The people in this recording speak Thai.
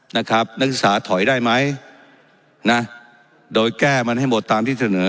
นักศึกษาถอยได้ไหมนะโดยแก้มันให้หมดตามที่เสนอ